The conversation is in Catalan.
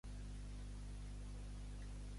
Podries dir-me què puc elaborar amb orellanes?